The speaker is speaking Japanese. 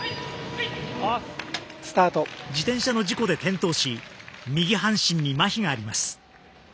自転車の事故で転倒し右半身にまひがあります。